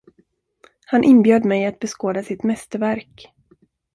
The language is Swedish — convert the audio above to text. Han inbjöd mig att beskåda sitt mästerverk.